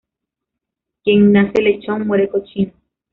Quien nace lechón, muere cochino